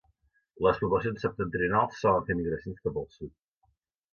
Les poblacions septentrionals solen fer migracions cap al sud.